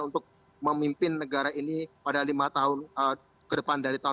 untuk memimpin negara ini pada lima tahun ke depan dari tahun dua ribu dua